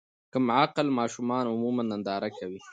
کم عقل ماشومان عموماً ننداره کوي.